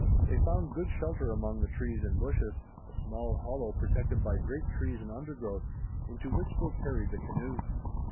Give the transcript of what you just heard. They found good shelter among the trees and bushes, a small hollow protected by great trees and undergrowth, into which they carried the canoe.